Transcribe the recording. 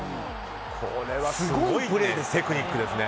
これはすごいテクニックですね。